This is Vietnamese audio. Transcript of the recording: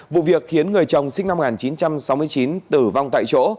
vụ việc khiến người chồng sinh năm một nghìn chín trăm sáu mươi chín tử vong tại chỗ